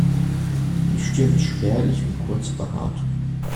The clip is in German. Die Stirn ist spärlich und kurz behaart.